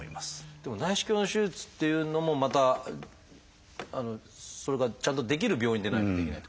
でも内視鏡の手術っていうのもまたそれがちゃんとできる病院でないとできないってことですよね。